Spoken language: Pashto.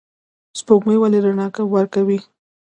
سپوږمۍ ولې رڼا ورکوي؟